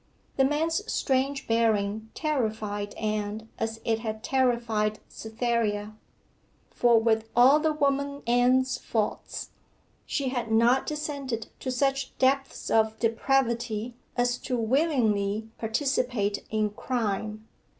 The man's strange bearing terrified Anne as it had terrified Cytherea; for with all the woman Anne's faults, she had not descended to such depths of depravity as to willingly participate in crime.